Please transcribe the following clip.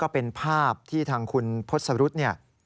ก็เป็นภาพที่ทางคุณพฤทธิ์สรุทธิ์